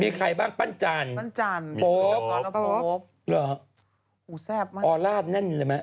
มีใครบ้างปั้นจานปั้นจานโป๊ปแล้วก็โป๊ปเหรออู๋แซ่บมากออร่าดแน่นเลยไหม